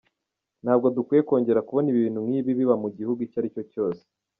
Ntabwo dukwiye kongera kubona ibintu nk’ibi biba mu gihugu icyo aricyo cyose.